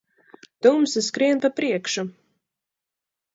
Tumsa skrien pa priekšu.